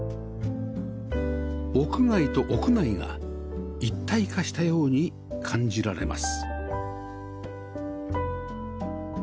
屋外と屋内が一体化したように感じられます